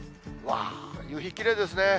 わー、夕日きれいですね。